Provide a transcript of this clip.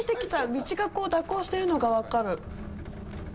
道がこう、蛇行してるのが分かる。